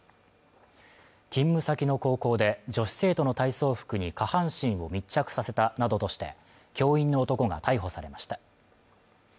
勤務先の高校で女子生徒の体操服に下半身を密着させたなどとして教員の男が逮捕されました